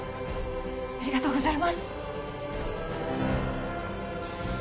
ありがとうございます！